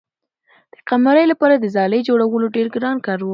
د قمرۍ لپاره د ځالۍ جوړول ډېر ګران کار و.